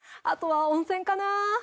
あとは温泉かな。